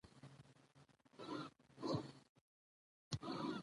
يو دم يې له خولې چيغه ووته.